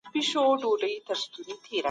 کېدای سي عدالت په بشپړ ډول پلی سي.